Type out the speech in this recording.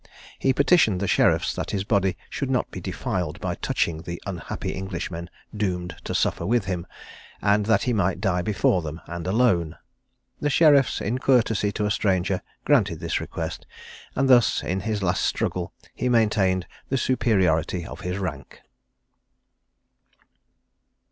He petitioned the sheriffs that his body should not be defiled by touching the unhappy Englishmen doomed to suffer with him, and that he might die before them, and alone. The sheriffs, in courtesy to a stranger, granted this request, and thus, in his last struggle, he maintained the superiority of his rank.